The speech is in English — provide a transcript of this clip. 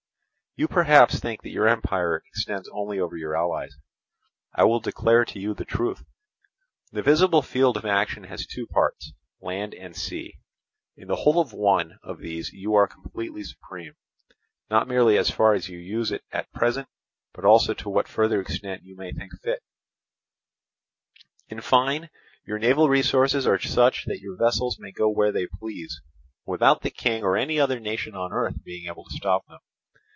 You perhaps think that your empire extends only over your allies; I will declare to you the truth. The visible field of action has two parts, land and sea. In the whole of one of these you are completely supreme, not merely as far as you use it at present, but also to what further extent you may think fit: in fine, your naval resources are such that your vessels may go where they please, without the King or any other nation on earth being able to stop them.